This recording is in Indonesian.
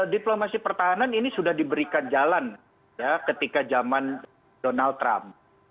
diplomasi pertahanan ini sudah diberikan jalan ketika zaman donald trump